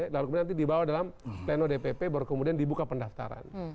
lalu kemudian nanti dibawa dalam pleno dpp baru kemudian dibuka pendaftaran